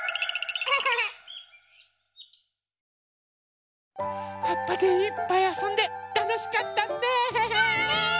はっぱでいっぱいあそんでたのしかったね！ね！